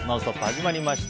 始まりました。